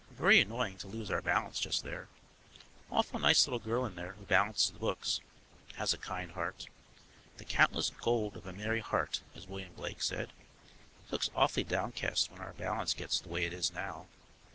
Very annoying to lose our balance just there. Awfully nice little girl in there who balances the books. Has a kind heart. The countless gold of a merry heart, as William Blake said. She looks awfully downcast when our balance gets the way it is now.